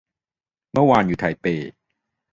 เมื่อวานอยู่ไทเป